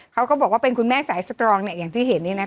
เขาก็บอกว่าเป็นคุณแม่สายสตรองเนี้ยอย่างที่เห็นเนี้ยน่ะ